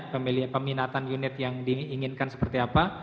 peminatan unit yang diinginkan seperti apa